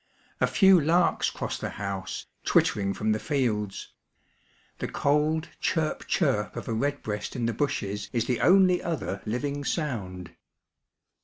A few larks cross the house, twittering from the fields. The cold chirp, chirp of a redbreast in the bushes is the only other Uving sound.